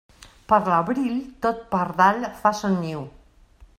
Per l'abril, tot pardal fa son niu.